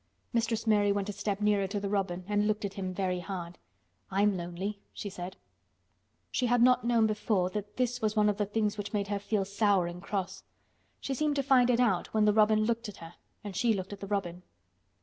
Mistress Mary went a step nearer to the robin and looked at him very hard. "I'm lonely," she said. She had not known before that this was one of the things which made her feel sour and cross. She seemed to find it out when the robin looked at her and she looked at the robin.